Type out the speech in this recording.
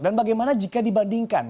dan bagaimana jika dibandingkan